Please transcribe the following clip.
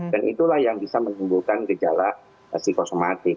dan itulah yang bisa mengimbulkan gejala psikosomatik